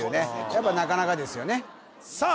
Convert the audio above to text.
やっぱなかなかですよねさあ